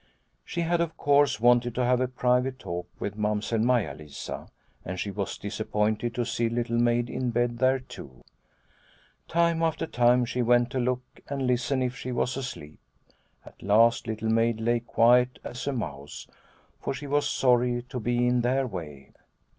She had, of course, wanted to have a private talk with Mamsell Maia Lisa, and she was disappointed to see Little Maid in bed there too. Time after time she went to look and listen if she was asleep. At last Little Maid lay quiet as a mouse, for she was sorry to be in their way.